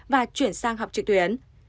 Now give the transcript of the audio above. và chuyển sang học trực tuyến